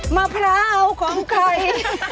มะพร้าวของไข่